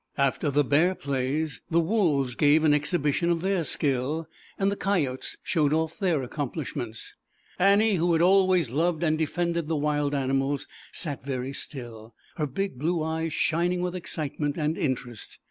After the Bear plays, the Wolv< an exhibition of their skill, 232 ZAUBERLINDA, THE WISE WITCH. Coyotes showed off their accomplish ments. Annie who had always loved and defended the Wild Animals, sat very still, her big blue eyes shining with excitement and interest.